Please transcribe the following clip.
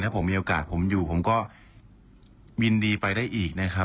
ผมมีโอกาสผมอยู่ผมก็ยินดีไปได้อีกนะครับ